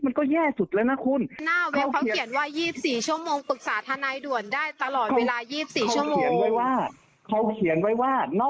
ไม่อันนี้ตกลงว่าหนูมาปรึกษาธนาคุณ